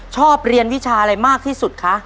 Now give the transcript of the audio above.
ชอบเรียนวิชาอะไรมากที่สุดคะ